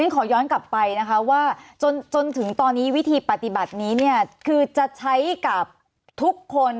ขอย้อนกลับไปนะคะว่าจนถึงตอนนี้วิธีปฏิบัตินี้เนี่ยคือจะใช้กับทุกคน